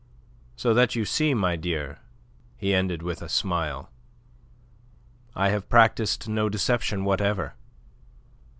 So that you see, my dear," he ended with a smile, "I have practised no deception whatever."